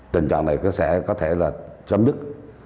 tình trạng này sẽ có thể là chấm dứt